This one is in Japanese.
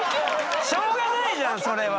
しょうがないじゃんそれは。